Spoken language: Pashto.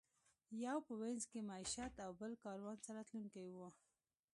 یو په وینز کې مېشت او بل کاروان سره تلونکی و.